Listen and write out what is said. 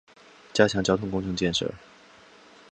加强交通工程建设